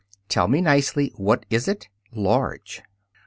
"Tell me nicely, what is it?" "Large."